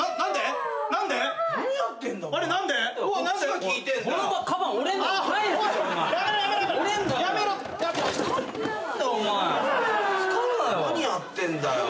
何やってんだよ。